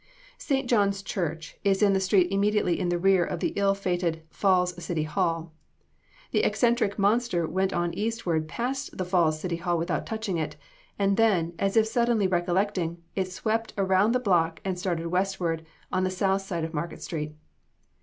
"St. John's Church is in the street immediately in the rear of the ill fated Falls City Hall. The eccentric monster went on eastward past the Falls City Hall without touching it, and then, as if suddenly recollecting, it swept around the block and started westward on the south side of Market street.